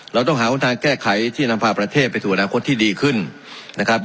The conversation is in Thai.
เราต้องหาทางแก้ไขที่จะนำพาประเทศไปสู่อนาคตที่ดีขึ้นนะครับ